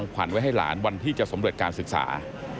ขวัญไว้ให้หลานวันที่จะสำเร็จการศึกษา